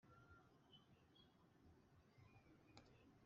uru rubanza rurerekana ko ibibazo by’amasambu byari insobe mu gihe